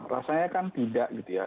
rasanya kan tidak gitu ya